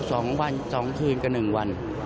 สองวันสองคืนกับหนึ่งวัน